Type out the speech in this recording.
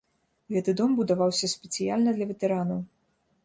Гэты дом будаваўся спецыяльна для ветэранаў.